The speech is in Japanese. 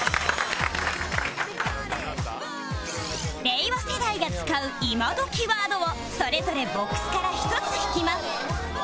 令和世代が使うイマドキワードをそれぞれボックスから１つ引きます